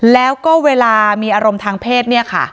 แล้วก็เวลามีอารมณ์ทางเพศ